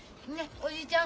おじいちゃん。